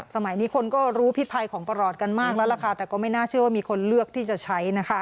สมัยนี้คนก็รู้พิธภัยของปรอดกันมากแล้วแหละค่ะ